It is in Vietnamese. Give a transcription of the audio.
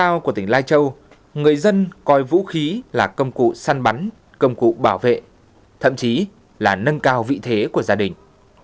theo của tỉnh lai châu người dân coi vũ khí là công cụ săn bắn công cụ bảo vệ thậm chí là nâng cao vị thế của gia đình